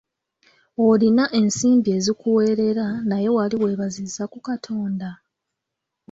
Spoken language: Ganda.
Olina ensimbi ezikuweerera naye wali weebazizza ku Katonda?